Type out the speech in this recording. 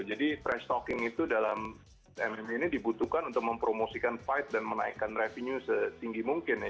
jadi trash talking itu dalam mma ini dibutuhkan untuk mempromosikan fight dan menaikkan revenue sesinggi mungkin ya